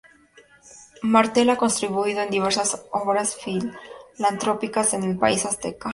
Martel ha contribuido en diversas obras filantrópicas en el país azteca.